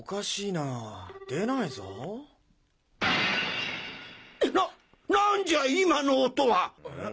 なっ何じゃ今の音は！？え？